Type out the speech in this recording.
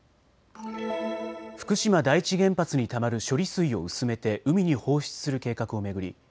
福島第一原発にたまる処理水を薄めて海に放出する計画を巡り